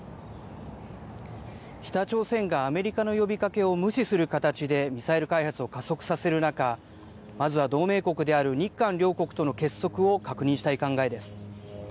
北朝鮮がアメリカの呼びかけを無視する形でミサイル開発を加速させる中、まずは同盟国である日韓両国との結束を確認したい考えです。